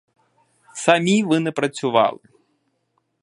Самі ви не працювали.